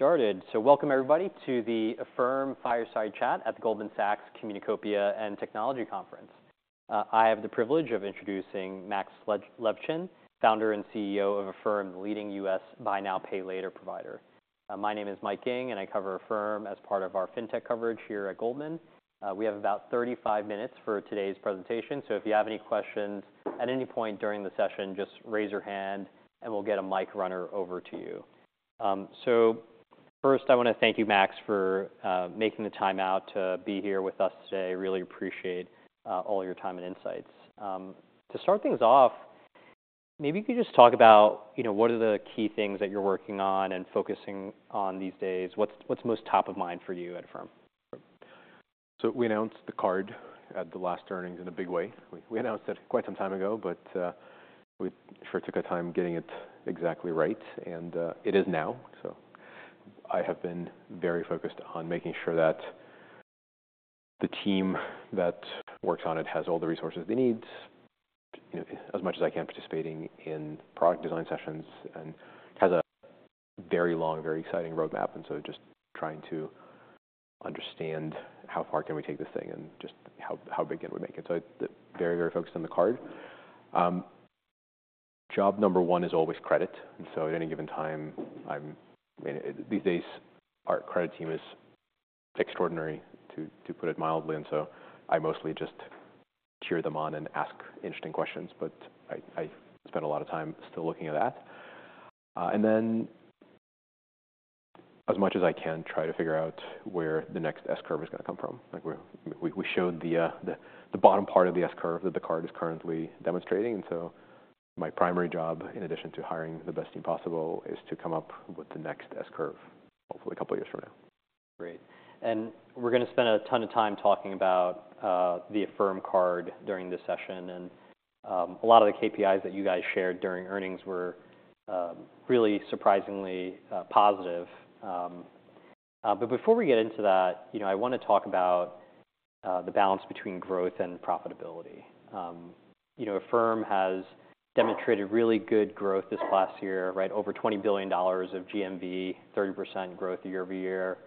Started. So welcome everybody to the Affirm Fireside Chat at the Goldman Sachs Communicopia and Technology Conference. I have the privilege of introducing Max Levchin, founder and CEO of Affirm, the leading US Buy Now, Pay Later provider. My name is Michael Ng, and I cover Affirm as part of our fintech coverage here at Goldman. We have about 35 minutes for today's presentation, so if you have any questions at any point during the session, just raise your hand and we'll get a mic runner over to you. So first I want to thank you, Max, for making the time out to be here with us today. Really appreciate all your time and insights. To start things off, maybe you could just talk about, you know, what are the key things that you're working on and focusing on these days. What's most top of mind for you at Affirm? So we announced the card at the last earnings in a big way. We announced it quite some time ago, but, we sure took our time getting it exactly right, and, it is now. So I have been very focused on making sure that the team that works on it has all the resources they need. You know, as much as I can, participating in product design sessions, and has a very long, very exciting roadmap, and so just trying to understand how far can we take this thing and just how big it would make it. So, very, very focused on the card. Job number one is always credit, and so at any given time, I'm, these days, our credit team is extraordinary, to put it mildly, and so I mostly just cheer them on and ask interesting questions, but I spend a lot of time still looking at that. And then as much as I can, try to figure out where the next S-curve is going to come from. Like, we showed the bottom part of the S-curve that the card is currently demonstrating, and so my primary job, in addition to hiring the best team possible, is to come up with the next S-curve, hopefully a couple years from now. Great. We're going to spend a ton of time talking about the Affirm Card during this session, and a lot of the KPIs that you guys shared during earnings were really surprisingly positive. Before we get into that, you know, I want to talk about the balance between growth and profitability. You know, Affirm has demonstrated really good growth this past year, right over $20 billion of GMV, 30% growth year-over-year,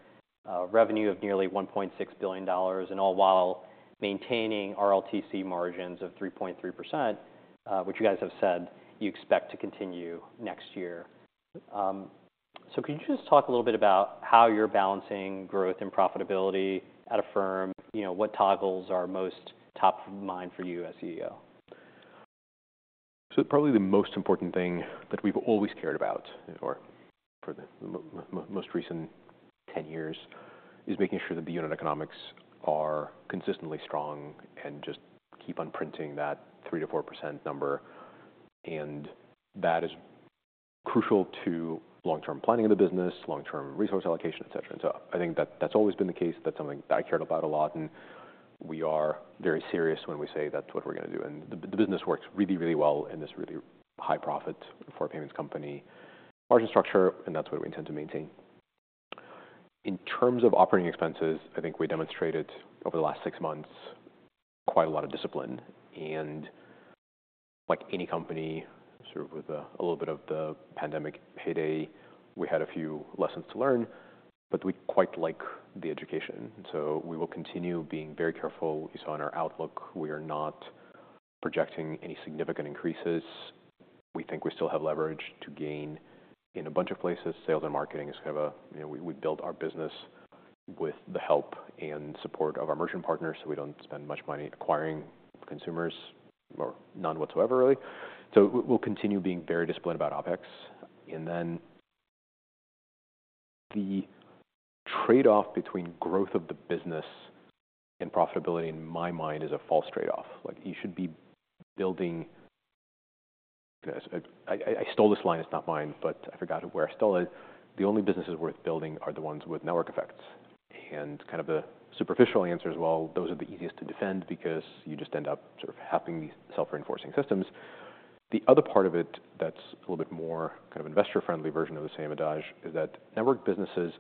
revenue of nearly $1.6 billion, and all while maintaining RLTC margins of 3.3%, which you guys have said you expect to continue next year. Could you just talk a little bit about how you're balancing growth and profitability at Affirm? You know, what toggles are most top of mind for you as CEO? So probably the most important thing that we've always cared about, or for the most recent 10 years, is making sure that the unit economics are consistently strong and just keep on printing that 3%-4% number, and that is crucial to long-term planning of the business, long-term resource allocation, et cetera. And so I think that that's always been the case. That's something I cared about a lot, and we are very serious when we say that's what we're going to do. And the, the business works really, really well in this really high profit for a payments company, margin structure, and that's what we intend to maintain. In terms of operating expenses, I think we demonstrated over the last six months quite a lot of discipline, and like any company, sort of with a little bit of the pandemic heyday, we had a few lessons to learn, but we quite like the education, so we will continue being very careful. You saw in our outlook, we are not projecting any significant increases. We think we still have leverage to gain in a bunch of places. Sales and marketing is kind of a, you know, we built our business with the help and support of our merchant partners, so we don't spend much money acquiring consumers, or none whatsoever, really. So we'll continue being very disciplined about OpEx. And then the trade-off between growth of the business and profitability in my mind is a false trade-off. Like, you should be building. I stole this line, it's not mine, but I forgot where I stole it. "The only businesses worth building are the ones with network effects." And kind of the superficial answer is, well, those are the easiest to defend because you just end up sort of having these self-reinforcing systems. The other part of it that's a little bit more kind of investor-friendly version of the same adage, is that network businesses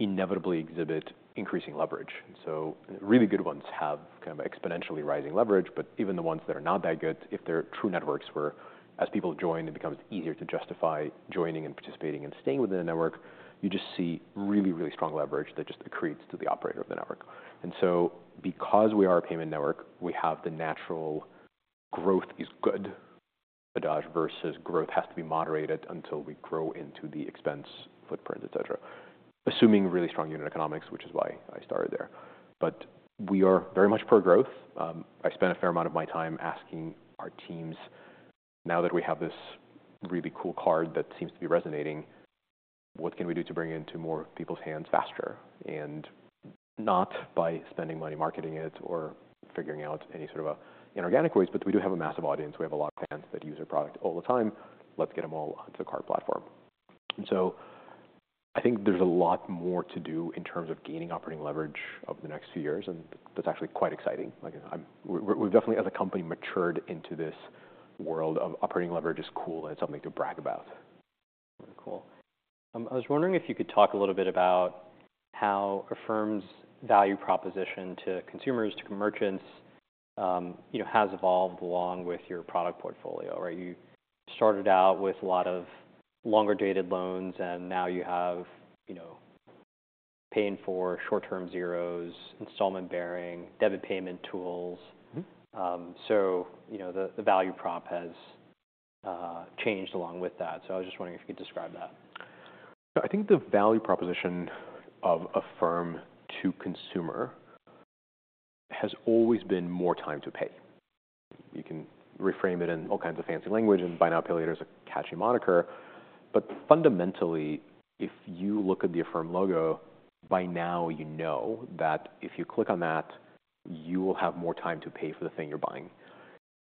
inevitably exhibit increasing leverage. And so really good ones have kind of exponentially rising leverage, but even the ones that are not that good, if they're true networks, whereas people join, it becomes easier to justify joining and participating and staying within the network. You just see really, really strong leverage that just accretes to the operator of the network. And so because we are a payment network, we have the natural growth is good adage, versus growth has to be moderated until we grow into the expense, footprint, et cetera. Assuming really strong unit economics, which is why I started there. But we are very much pro growth. I spent a fair amount of my time asking our teams, now that we have this really cool card that seems to be resonating, what can we do to bring it into more people's hands faster? And not by spending money marketing it or figuring out any sort of a inorganic ways, but we do have a massive audience. We have a lot of fans that use our product all the time. Let's get them all onto the card platform. And so I think there's a lot more to do in terms of gaining operating leverage over the next few years, and that's actually quite exciting. Like, we've definitely, as a company, matured into this world of operating leverage is cool, and it's something to brag about. Cool. I was wondering if you could talk a little bit about how Affirm's value proposition to consumers, to merchants, you know, has evolved along with your product portfolio, right? You started out with a lot of longer-dated loans, and now you have, you know, paying for short-term zeros, installment-bearing debit payment tools. Mm-hmm. So, you know, the value prop has changed along with that. So I was just wondering if you could describe that. I think the value proposition of Affirm to consumer has always been more time to pay. You can reframe it in all kinds of fancy language, and buy now, pay later is a catchy moniker, but fundamentally, if you look at the Affirm logo, by now, you know that if you click on that, you will have more time to pay for the thing you're buying.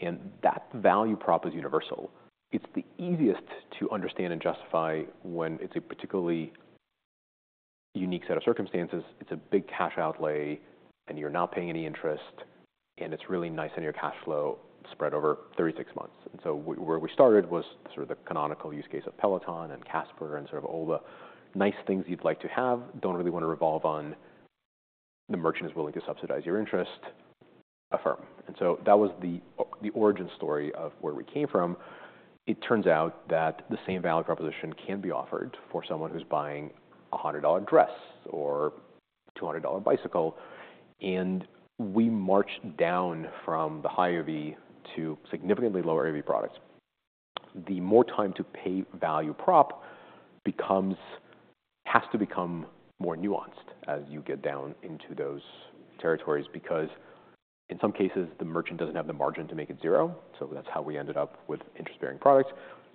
And that value prop is universal. It's the easiest to understand and justify when it's a particularly unique set of circumstances. It's a big cash outlay, and you're not paying any interest, and it's really nice in your cash flow spread over 36 months. And so where we started was sort of the canonical use case of Peloton and Casper, and sort of all the nice things you'd like to have, don't really want to revolve on the merchant is willing to subsidize your interest, Affirm. And so that was the origin story of where we came from. It turns out that the same value proposition can be offered for someone who's buying a $100 dress or $200 bicycle, and we march down from the higher AOV to significantly lower AOV products. The more time to pay value prop becomes has to become more nuanced as you get down into those territories, because in some cases, the merchant doesn't have the margin to make it zero. So that's how we ended up with interest-bearing products.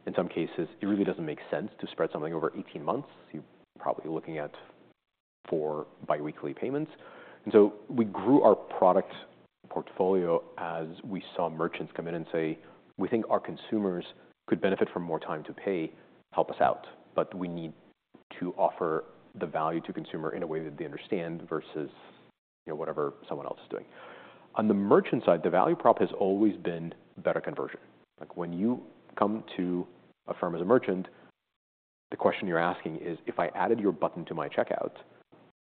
In some cases, it really doesn't make sense to spread something over 18 months. You're probably looking at four biweekly payments. And so we grew our product portfolio as we saw merchants come in and say, "We think our consumers could benefit from more time to pay, help us out, but we need to offer the value to consumer in a way that they understand versus, you know, whatever someone else is doing." On the merchant side, the value prop has always been better conversion. Like, when you come to Affirm as a merchant, the question you're asking is, "If I added your button to my checkout,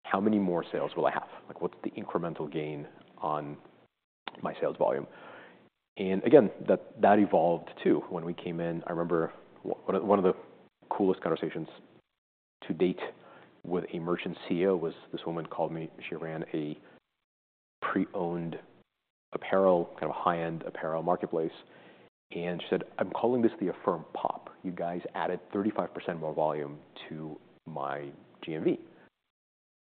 how many more sales will I have? Like, what's the incremental gain on my sales volume?" And again, that evolved too. When we came in, I remember one of the coolest conversations to date with a merchant CEO was this woman called me. She ran a pre-owned apparel, kind of a high-end apparel marketplace, and she said, "I'm calling this the Affirm pop. You guys added 35% more volume to my GMV."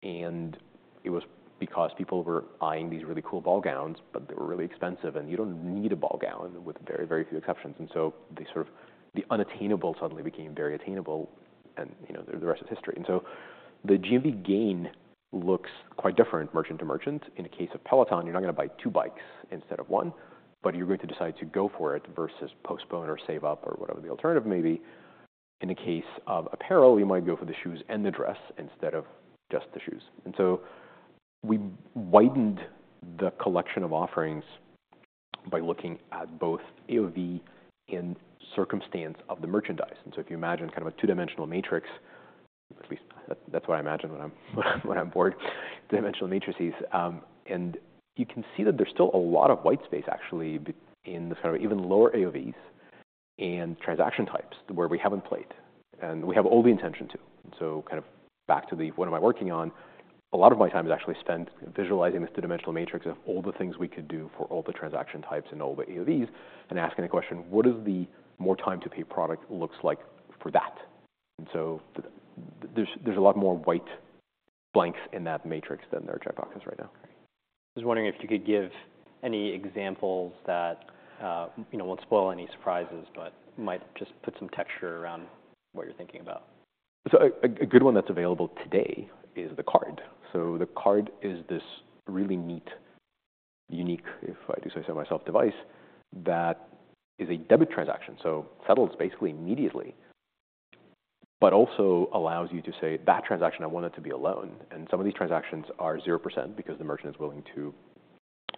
And it was because people were buying these really cool ball gowns, but they were really expensive, and you don't need a ball gown with very, very few exceptions. And so they sort of. The unattainable suddenly became very attainable, and, you know, the rest is history. And so the GMV gain looks quite different, merchant to merchant. In the case of Peloton, you're not going to buy two bikes instead of one, but you're going to decide to go for it versus postpone or save up, or whatever the alternative may be. In the case of apparel, you might go for the shoes and the dress instead of just the shoes. And so we widened the collection of offerings by looking at both AOV and circumstance of the merchandise. And so if you imagine kind of a two-dimensional matrix, at least that's what I imagine when I'm bored, dimensional matrices. And you can see that there's still a lot of white space actually in the kind of even lower AOVs and transaction types where we haven't played, and we have all the intention to. So kind of back to the what am I working on, a lot of my time is actually spent visualizing this two-dimensional matrix of all the things we could do for all the transaction types and all the AOVs, and asking the question, "What is the more time to pay product looks like for that?" And so there's a lot more white blanks in that matrix than there are check boxes right now. I was wondering if you could give any examples that, you know, won't spoil any surprises, but might just put some texture around what you're thinking about? So a good one that's available today is the card. So the card is this really neat, unique, if I do say so myself, device that is a debit transaction, so settles basically immediately, but also allows you to say, "That transaction, I want it to be a loan." And some of these transactions are 0% because the merchant is willing to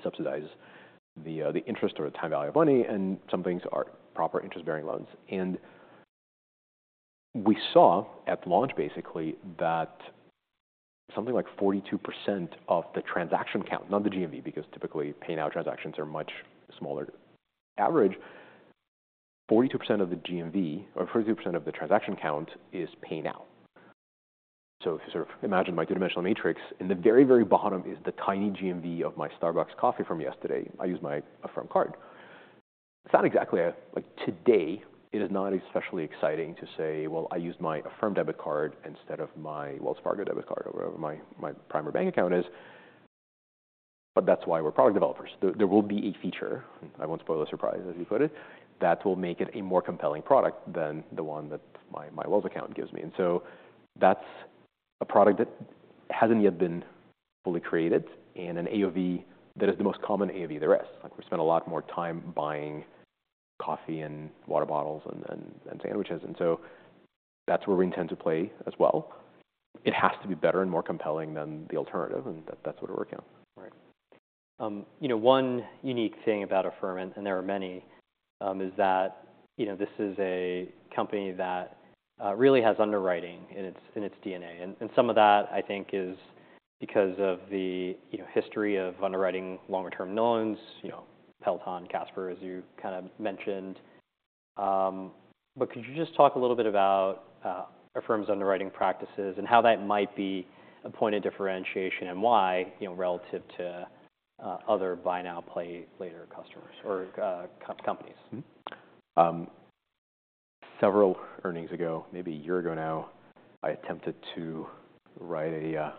subsidize the interest or the time value of money, and some things are proper interest-bearing loans. And we saw at launch, basically, that something like 42% of the transaction count, not the GMV, because typically, Pay Now transactions are much smaller. Average, 42% of the GMV, or 42% of the transaction count is Pay Now. So if you sort of imagine my two-dimensional matrix, in the very, very bottom is the tiny GMV of my Starbucks coffee from yesterday. I used my Affirm Card. It's not exactly a, like, today, it is not especially exciting to say, Well, I used my Affirm debit card instead of my Wells Fargo debit card or wherever my primary bank account is, but that's why we're product developers. There will be a feature, I won't spoil the surprise, as you put it, that will make it a more compelling product than the one that my Wells account gives me. That's a product that hasn't yet been fully created, and an AOV that is the most common AOV there is. Like, we spend a lot more time buying coffee and water bottles and sandwiches, and so that's where we intend to play as well. It has to be better and more compelling than the alternative, and that's what we're working on. You know, one unique thing about Affirm, and there are many, is that, you know, this is a company that really has underwriting in its, in its DNA. And, and some of that I think is because of the, you know, history of underwriting longer term loans, you know, Peloton, Casper, as you kind of mentioned. But could you just talk a little bit about Affirm's underwriting practices and how that might be a point of differentiation, and why, you know, relative to other buy now, pay later customers or companies? Several earnings ago, maybe a year ago now, I attempted to write a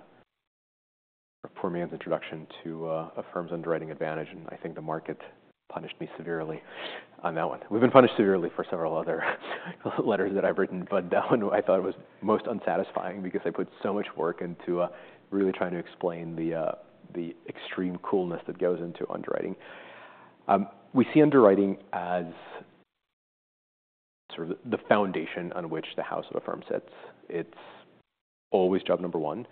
poor man's introduction to Affirm's underwriting advantage, and I think the market punished me severely on that one. We've been punished severely for several other letters that I've written, but that one I thought it was most unsatisfying because I put so much work into really trying to explain the extreme coolness that goes into underwriting. We see underwriting as sort of the foundation on which the house of Affirm sits. It's always job number one.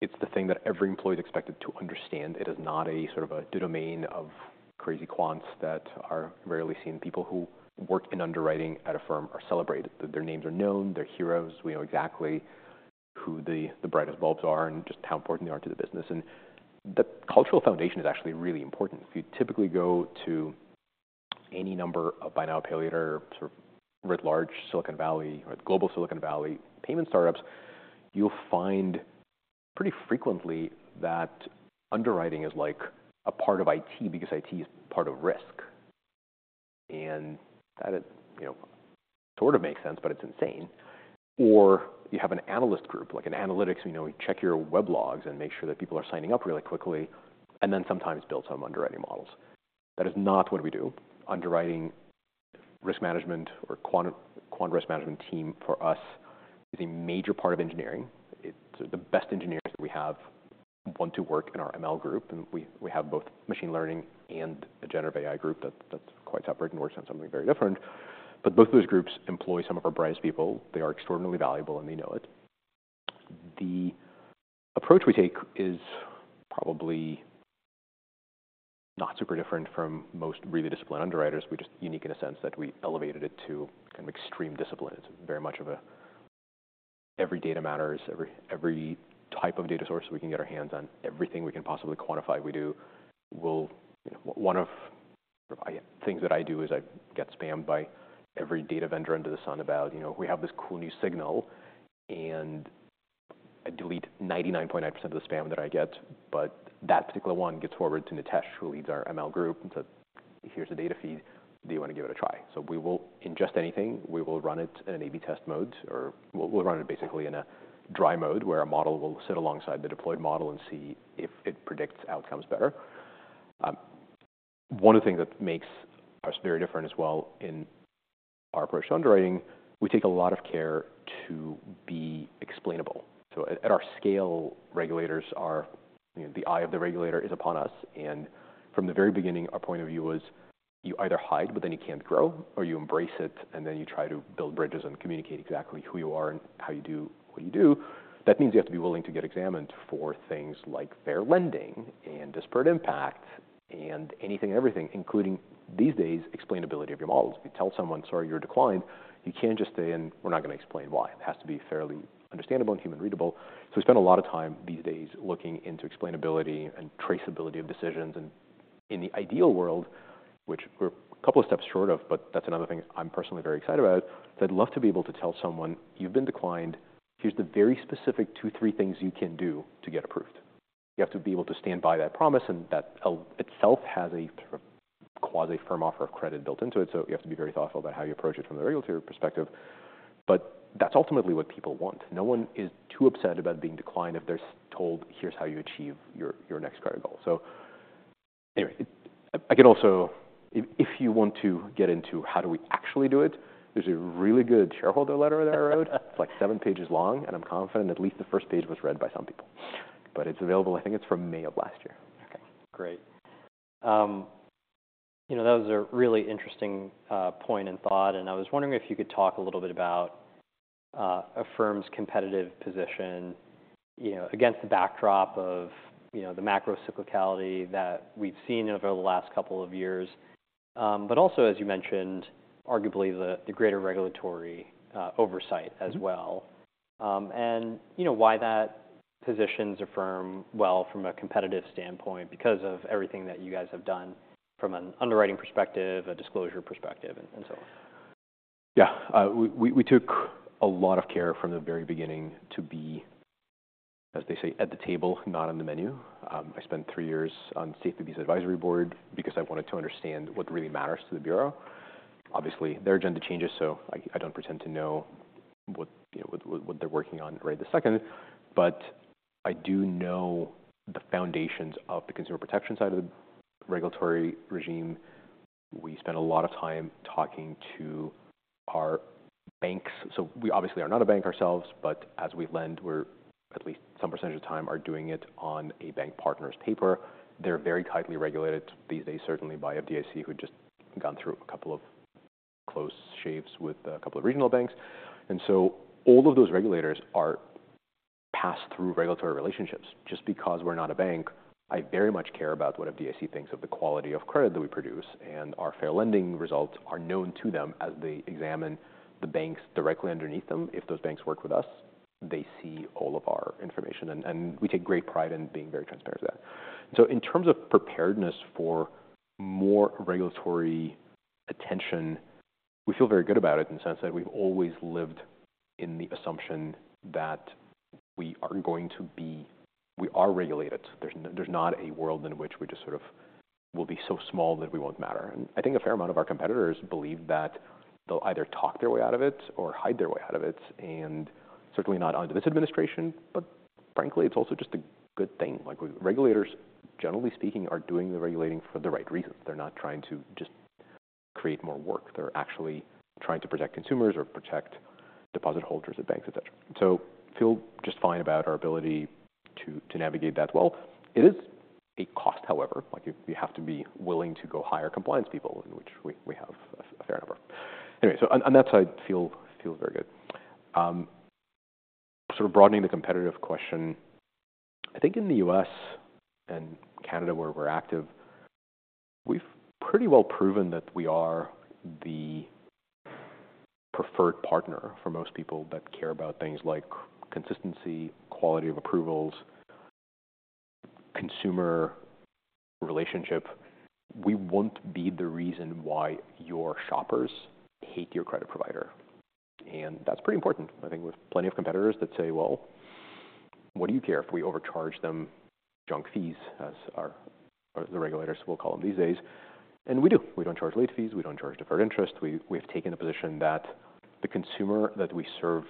It's the thing that every employee is expected to understand. It is not a sort of a domain of crazy quants that are rarely seen. People who work in underwriting at Affirm are celebrated, that their names are known, they're heroes. We know exactly who the brightest bulbs are and just how important they are to the business, and the cultural foundation is actually really important. If you typically go to any number of buy now, pay later, sort of writ large Silicon Valley or global Silicon Valley payment startups, you'll find pretty frequently that underwriting is like a part of IT, because IT is part of risk. And that, you know, sort of makes sense, but it's insane. Or you have an analyst group, like in analytics, you know, you check your web logs and make sure that people are signing up really quickly, and then sometimes build some underwriting models. That is not what we do. Underwriting, risk management or quant risk management team for us is a major part of engineering. It's the best engineers that we have want to work in our ML group, and we have both machine learning and a generative AI group that's quite separate and works on something very different. But both of those groups employ some of our brightest people. They are extraordinarily valuable, and they know it. The approach we take is probably not super different from most really disciplined underwriters. We're just unique in a sense that we elevated it to kind of extreme discipline. It's very much of a every data matters, every type of data source we can get our hands on, everything we can possibly quantify, we do. We'll. You know, one of the things that I do is I get spammed by every data vendor under the sun about, you know, "We have this cool new signal," and I delete 99.9% of the spam that I get, but that particular one gets forwarded to Nitesh, who leads our ML group, and says, "Here's a data feed. Do you want to give it a try?" So we will ingest anything. We will run it in an AB test mode, or we'll run it basically in a dry mode, where a model will sit alongside the deployed model and see if it predicts outcomes better. One of the things that makes us very different as well in our approach to underwriting, we take a lot of care to be explainable. So at our scale, regulators are, you know. The eye of the regulator is upon us, and from the very beginning, our point of view was you either hide, but then you can't grow, or you embrace it, and then you try to build bridges and communicate exactly who you are and how you do what you do. That means you have to be willing to get examined for things like fair lending and disparate impact, and anything and everything, including, these days, explainability of your models. If you tell someone, "Sorry, you're declined," you can't just say, "And we're not going to explain why." It has to be fairly understandable and human readable. So we spend a lot of time these days looking into explainability and traceability of decisions, and in the ideal world, which we're a couple of steps short of, but that's another thing I'm personally very excited about. I'd love to be able to tell someone, "You've been declined. Here's the very specific two, three things you can do to get approved." You have to be able to stand by that promise, and that itself has a sort of quasi-firm offer of credit built into it, so you have to be very thoughtful about how you approach it from the regulatory perspective, but that's ultimately what people want. No one is too upset about being declined if they're told, "Here's how you achieve your, your next credit goal." So anyway, I can also. If you want to get into how do we actually do it, there's a really good shareholder letter that I wrote. It's, like, seven pages long, and I'm confident at least the first page was read by some people. But it's available, I think it's from May of last year. Okay, great. You know, that was a really interesting point and thought, and I was wondering if you could talk a little bit about Affirm's competitive position, you know, against the backdrop of, you know, the macro cyclicality that we've seen over the last couple of years. But also, as you mentioned, arguably, the greater regulatory oversight as well. Mm-hmm. And you know, why that positions Affirm well from a competitive standpoint, because of everything that you guys have done from an underwriting perspective, a disclosure perspective, and so on. Yeah. We took a lot of care from the very beginning to be, as they say, at the table, not on the menu. I spent three years on CFPB's advisory board because I wanted to understand what really matters to the bureau. Obviously, their agenda changes, so I don't pretend to know what, you know, they're working on right this second, but I do know the foundations of the consumer protection side of the regulatory regime. We spent a lot of time talking to our banks. So we obviously are not a bank ourselves, but as we lend, we're, at least some percentage of time, are doing it on a bank partner's paper. They're very tightly regulated these days, certainly by FDIC, who've just gone through a couple of close shaves with a couple of regional banks. So all of those regulators are pass-through regulatory relationships. Just because we're not a bank, I very much care about what a DSE thinks of the quality of credit that we produce, and our fair lending results are known to them as they examine the banks directly underneath them. If those banks work with us, they see all of our information, and we take great pride in being very transparent to that. So in terms of preparedness for more regulatory attention, we feel very good about it in the sense that we've always lived in the assumption that we are going to be, we are regulated. There's not a world in which we just sort of will be so small that we won't matter. I think a fair amount of our competitors believe that they'll either talk their way out of it or hide their way out of it, and certainly not under this administration, but frankly, it's also just a good thing. Like, regulators, generally speaking, are doing the regulating for the right reasons. They're not trying to just create more work. They're actually trying to protect consumers or protect deposit holders at banks, et cetera. So feel just fine about our ability to navigate that well. It is a cost, however, like, you have to be willing to go hire compliance people, in which we have a fair number. Anyway, so and that's how I feel, feels very good. Sort of broadening the competitive question. I think in the US and Canada, where we're active, we've pretty well proven that we are the preferred partner for most people that care about things like consistency, quality of approvals, consumer relationship. We won't be the reason why your shoppers hate your credit provider, and that's pretty important. I think with plenty of competitors that say, "Well, what do you care if we overcharge them junk fees?" As the regulators will call them these days. We do. We don't charge late fees. We don't charge deferred interest. We've taken the position that the consumer that we serve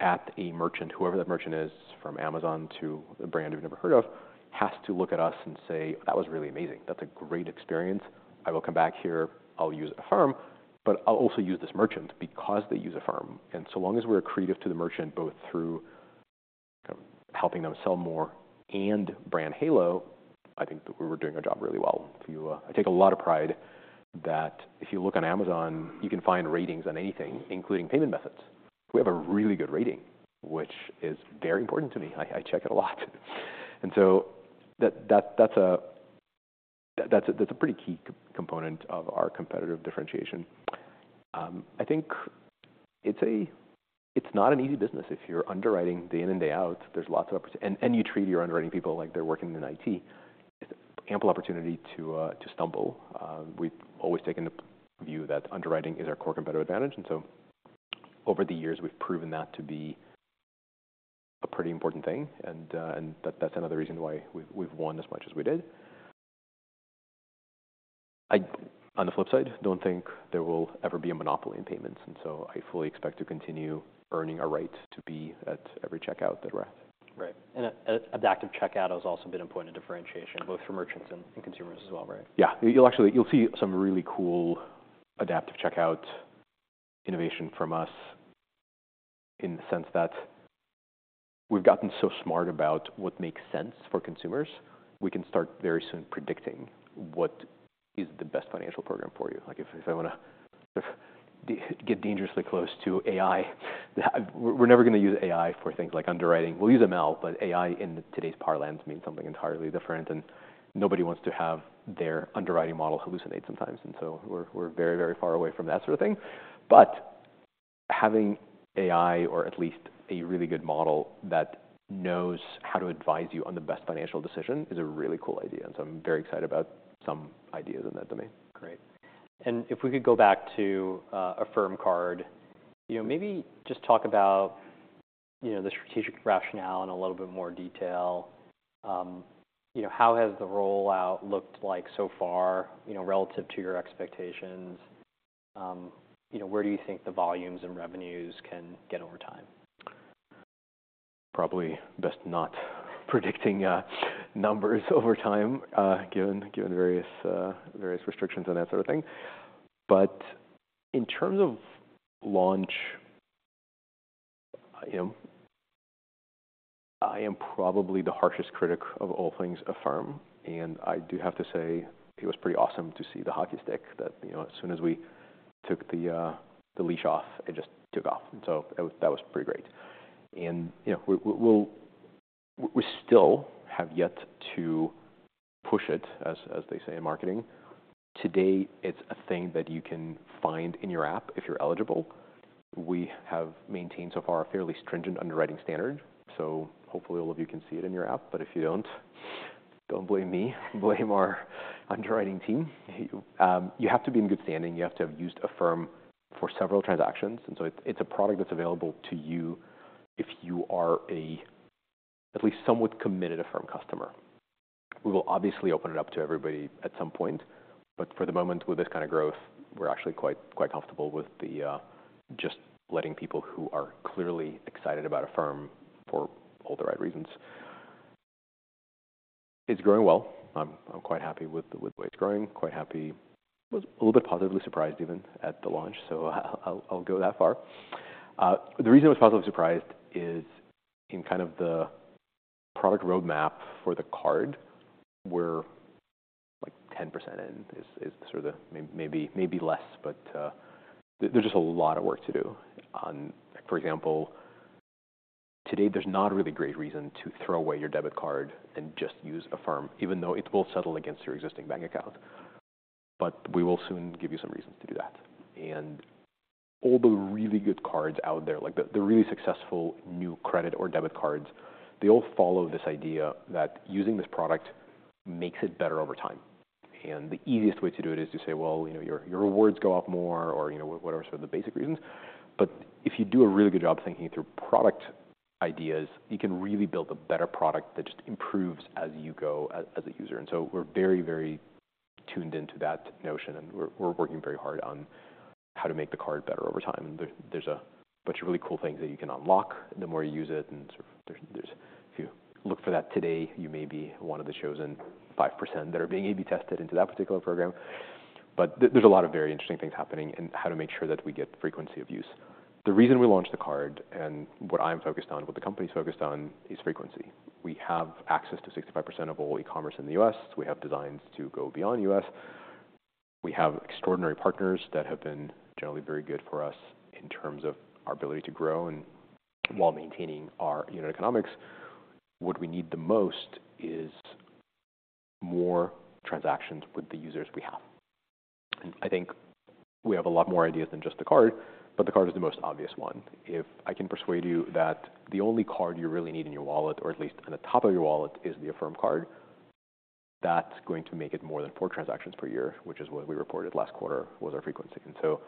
at a merchant, whoever that merchant is, from Amazon to a brand you've never heard of, has to look at us and say, "That was really amazing. That's a great experience. I will come back here. I'll use Affirm, but I'll also use this merchant because they use Affirm." And so long as we're accretive to the merchant, both through helping them sell more and brand halo, I think that we were doing our job really well. I take a lot of pride that if you look on Amazon, you can find ratings on anything, including payment methods. We have a really good rating, which is very important to me. I check it a lot. And so that's a pretty key component of our competitive differentiation. I think it's not an easy business if you're underwriting day in and day out, there's lots of opportunity. And you treat your underwriting people like they're working in IT. It's ample opportunity to stumble. We've always taken the view that underwriting is our core competitive advantage, and so over the years, we've proven that to be a pretty important thing, and that's another reason why we've won as much as we did. I, on the flip side, don't think there will ever be a monopoly in payments, and so I fully expect to continue earning a right to be at every checkout that we're at. Right. And, Adaptive Checkout has also been a point of differentiation, both for merchants and consumers as well, right? Yeah. You'll actually, you'll see some really cool Adaptive Checkout innovation from us in the sense that we've gotten so smart about what makes sense for consumers. We can start very soon predicting what is the best financial program for you. Like, if, if I want to get dangerously close to AI, we're never going to use AI for things like underwriting. We'll use ML, but AI in today's parlance means something entirely different, and nobody wants to have their underwriting model hallucinate sometimes. And so we're, we're very, very far away from that sort of thing. But having AI or at least a really good model that knows how to advise you on the best financial decision is a really cool idea, and so I'm very excited about some ideas in that domain. Great. And if we could go back to, Affirm Card. You know, maybe just talk about, you know, the strategic rationale in a little bit more detail. You know, how has the rollout looked like so far, you know, relative to your expectations? You know, where do you think the volumes and revenues can get over time? Probably best not predicting numbers over time, given various restrictions and that sort of thing. But in terms of launch, you know, I am probably the harshest critic of all things Affirm, and I do have to say it was pretty awesome to see the hockey stick that, you know, as soon as we took the leash off, it just took off. And so that was, that was pretty great. And, you know, we still have yet to push it, as they say in marketing. Today, it's a thing that you can find in your app if you're eligible. We have maintained so far a fairly stringent underwriting standard, so hopefully all of you can see it in your app. But if you don't, don't blame me, blame our underwriting team. You have to be in good standing. You have to have used Affirm for several transactions, and so it's, it's a product that's available to you if you are a at least somewhat committed Affirm customer. We will obviously open it up to everybody at some point, but for the moment, with this kind of growth, we're actually quite, quite comfortable with the just letting people who are clearly excited about Affirm for all the right reasons. It's growing well. I'm, I'm quite happy with the, the way it's growing, quite happy. Was a little bit positively surprised, even at the launch, so I'll, I'll go that far. The reason I was positively surprised is in kind of the. Product roadmap for the card, we're like 10% in, is, is sort of maybe, maybe less, but there's just a lot of work to do on. For example, today there's not a really great reason to throw away your debit card and just use Affirm, even though it will settle against your existing bank account. We will soon give you some reasons to do that. All the really good cards out there, like the, the really successful new credit or debit cards, they all follow this idea that using this product makes it better over time. The easiest way to do it is to say, "Well, you know, your, your rewards go up more," or, you know, whatever some of the basic reasons. But if you do a really good job thinking through product ideas, you can really build a better product that just improves as you go, as a user. And so we're very, very tuned into that notion, and we're working very hard on how to make the card better over time. And there's a bunch of really cool things that you can unlock the more you use it, and sort of there's. If you look for that today, you may be one of the chosen 5% that are being A/B tested into that particular program. But there's a lot of very interesting things happening in how to make sure that we get frequency of use. The reason we launched the card, and what I'm focused on, what the company's focused on, is frequency. We have access to 65% of all e-commerce in the US. We have designs to go beyond US. We have extraordinary partners that have been generally very good for us in terms of our ability to grow and while maintaining our unit economics. What we need the most is more transactions with the users we have, and I think we have a lot more ideas than just the card, but the card is the most obvious one. If I can persuade you that the only card you really need in your wallet, or at least on the top of your wallet, is the Affirm Card, that's going to make it more than four transactions per year, which is what we reported last quarter was our frequency. And so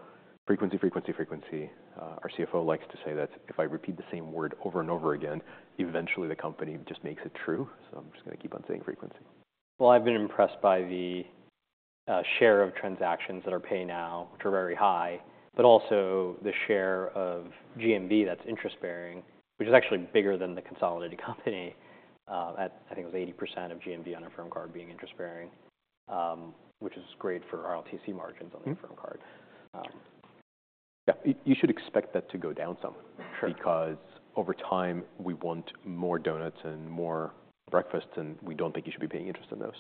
frequency, frequency, frequency. Our CFO likes to say that if I repeat the same word over and over again, eventually the company just makes it true, so I'm just going to keep on saying frequency. Well, I've been impressed by the share of transactions that are pay now, which are very high, but also the share of GMV that's interest-bearing, which is actually bigger than the consolidated company, at I think it was 80% of GMV on Affirm Card being interest-bearing, which is great for RLTC margins. Mm-hmm. On the Affirm Card. Yeah. You should expect that to go down some. Sure. because over time we want more donuts and more breakfast, and we don't think you should be paying interest on those.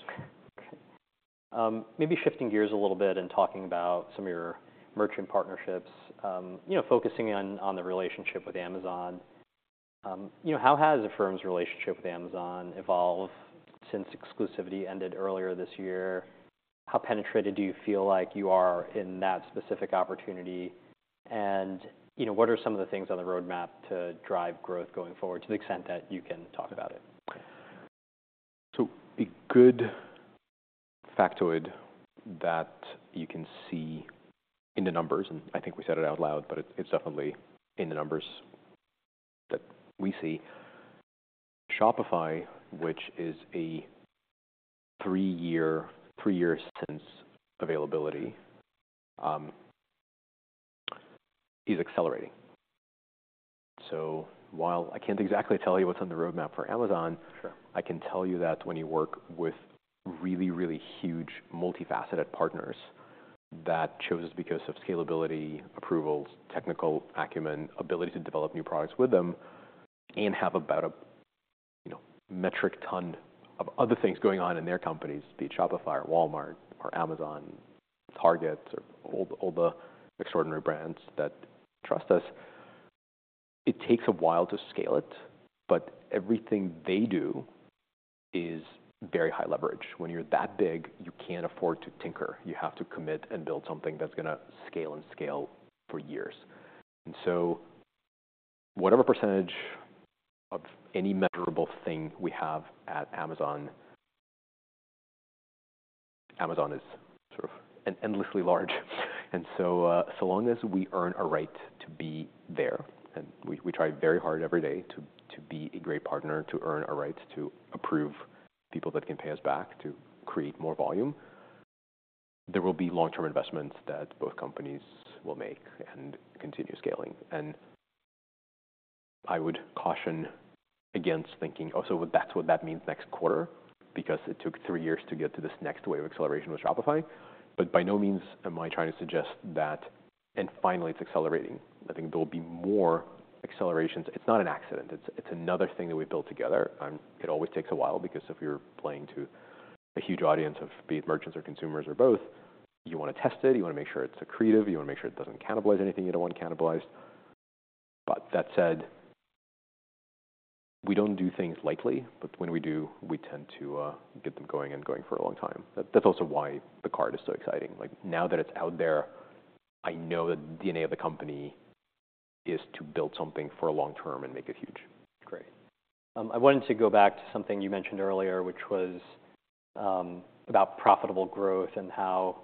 Maybe shifting gears a little bit and talking about some of your merchant partnerships. You know, focusing on the relationship with Amazon. You know, how has Affirm's relationship with Amazon evolved since exclusivity ended earlier this year? How penetrated do you feel like you are in that specific opportunity? And, you know, what are some of the things on the roadmap to drive growth going forward, to the extent that you can talk about it? So a good factoid that you can see in the numbers, and I think we said it out loud, but it's, it's definitely in the numbers that we see. Shopify, which is a three-year, three years since availability, is accelerating. So while I can't exactly tell you what's on the roadmap for Amazon. Sure. I can tell you that when you work with really, really huge, multifaceted partners that chose us because of scalability, approvals, technical acumen, ability to develop new products with them, and have about a, you know, metric ton of other things going on in their companies, be it Shopify or Walmart or Amazon, Target, or all the, all the extraordinary brands that trust us, it takes a while to scale it, but everything they do is very high leverage. When you're that big, you can't afford to tinker. You have to commit and build something that's going to scale and scale for years. And so whatever percentage of any measurable thing we have at Amazon, Amazon is sort of endlessly large. So long as we earn a right to be there, and we try very hard every day to be a great partner, to earn a right to approve people that can pay us back to create more volume, there will be long-term investments that both companies will make and continue scaling. I would caution against thinking, "Oh, so that's what that means next quarter," because it took three years to get to this next wave of acceleration with Shopify. But by no means am I trying to suggest that. Finally, it's accelerating. I think there will be more accelerations. It's not an accident. It's another thing that we've built together. It always takes a while, because if you're playing to a huge audience of be it merchants or consumers or both, you want to test it, you want to make sure it's accretive, you want to make sure it doesn't cannibalize anything you don't want cannibalized. But that said, we don't do things lightly. But when we do, we tend to get them going and going for a long time. That's also why the card is so exciting. Like, now that it's out there, I know the DNA of the company is to build something for a long term and make it huge. Great. I wanted to go back to something you mentioned earlier, which was about profitable growth and how,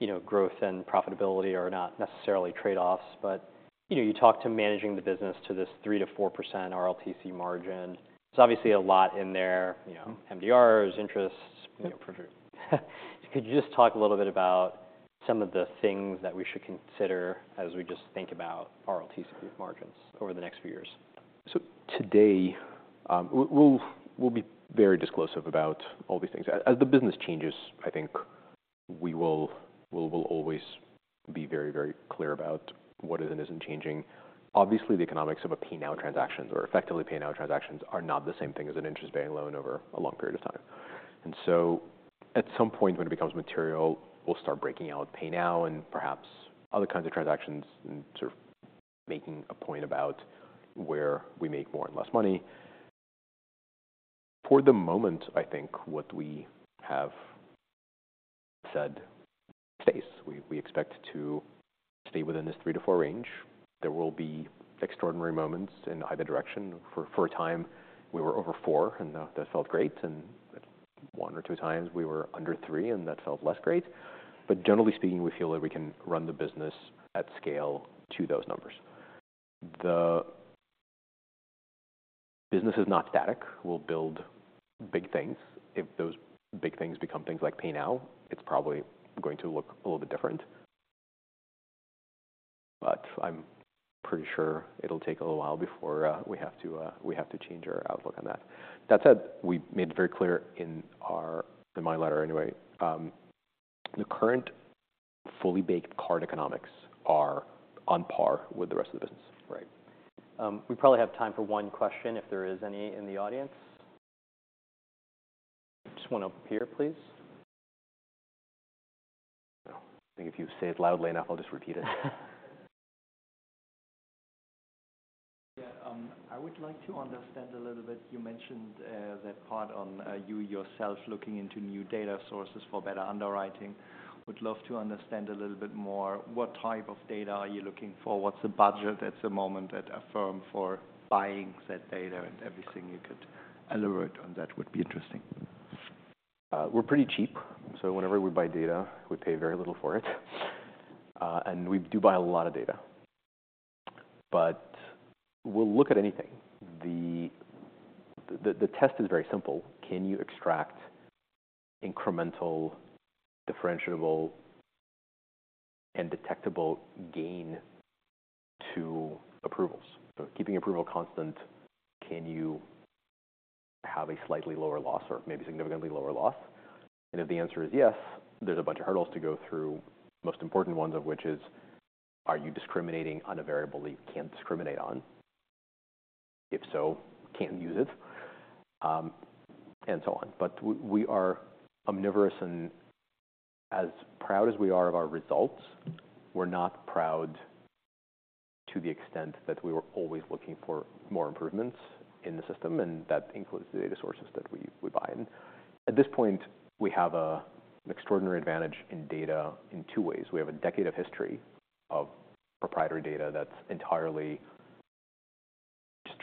you know, growth and profitability are not necessarily trade-offs. But, you know, you talked to managing the business to this 3%-4% RLTC margin. There's obviously a lot in there, you know- Mm-hmm. MDRs, interests, you know, could you just talk a little bit about some of the things that we should consider as we just think about RLTC margins over the next few years? So today, we'll be very disclosive about all these things. As the business changes, we will always be very, very clear about what is and isn't changing. Obviously, the economics of pay now transactions or effectively pay now transactions are not the same thing as an interest-bearing loan over a long period of time. And so at some point, when it becomes material, we'll start breaking out pay now and perhaps other kinds of transactions and sort of making a point about where we make more and less money. For the moment, I think what we have said stays. We expect to stay within this three to four range. There will be extraordinary moments in either direction. For a time, we were over four, and that felt great, and one or two times we were under three, and that felt less great. Generally speaking, we feel that we can run the business at scale to those numbers. The business is not static. We'll build big things. If those big things become things like pay now, it's probably going to look a little bit different. I'm pretty sure it'll take a little while before we have to change our outlook on that. That said, we made it very clear in our, in my letter anyway, the current fully baked card economics are on par with the rest of the business. Right. We probably have time for one question, if there is any in the audience. Just one up here, please. I think if you say it loudly enough, I'll just repeat it. Yeah, I would like to understand a little bit. You mentioned that part on you yourself looking into new data sources for better underwriting. Would love to understand a little bit more what type of data are you looking for? What's the budget at the moment at Affirm for buying said data? And everything you could elaborate on that would be interesting. We're pretty cheap, so whenever we buy data, we pay very little for it. And we do buy a lot of data, but we'll look at anything. The test is very simple, Can you extract incremental, differentiable, and detectable gain to approvals? So keeping approval constant, can you have a slightly lower loss or maybe significantly lower loss? And if the answer is yes, there's a bunch of hurdles to go through. Most important ones of which is, are you discriminating on a variable that you can't discriminate on? If so, can't use it, and so on. But we are omnivorous and as proud as we are of our results, we're not proud to the extent that we were always looking for more improvements in the system, and that includes the data sources that we buy. At this point, we have an extraordinary advantage in data in two ways. We have a decade of history of proprietary data that's entirely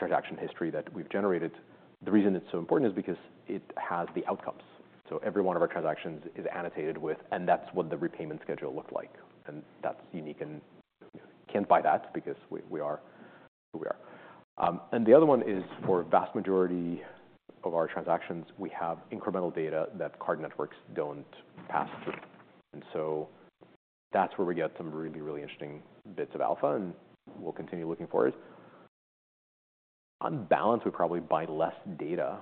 just transaction history that we've generated. The reason it's so important is because it has the outcomes, so every one of our transactions is annotated with, "And that's what the repayment schedule looked like." And that's unique and can't buy that because we are who we are. And the other one is, for a vast majority of our transactions, we have incremental data that card networks don't pass through, and so that's where we get some really, really interesting bits of alpha, and we'll continue looking for it. On balance, we probably buy less data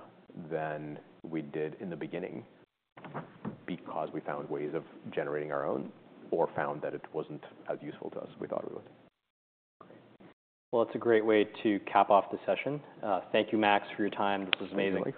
than we did in the beginning because we found ways of generating our own or found that it wasn't as useful to us as we thought it would. Well, it's a great way to cap off the session. Thank you, Max, for your time. This was amazing.